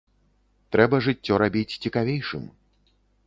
Трэба жыццё рабіць цікавейшым.